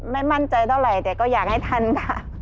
ไม่มั่นใจเท่าไหร่แต่ก็อยากให้ทันค่ะ